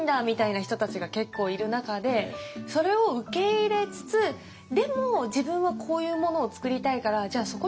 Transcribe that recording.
みたいな人たちが結構いる中でそれを受け入れつつでも自分はこういうものを作りたいからじゃあ